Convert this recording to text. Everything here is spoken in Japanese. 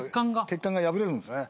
血管が破れるんですね。